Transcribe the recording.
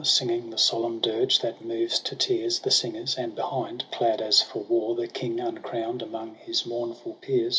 Singing the solemn dirge that moves to tears. The singers ; and behind, clad as for war. The King uncrown'd among his mournful peers.